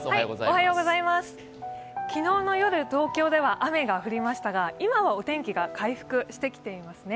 昨日の夜、東京では雨が降りましたが、今はお天気が回復してきていますね。